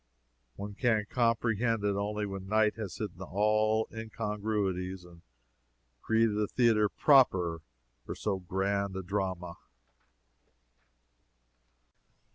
One can comprehend it only when night has hidden all incongruities and created a theatre proper for so grand a drama.